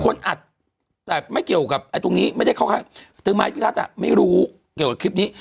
คนอัดแต่ไม่เกี่ยวกับไอ้ตรงนี้ไม่ได้เข้าข้างไม่รู้เกี่ยวกับคลิปนี้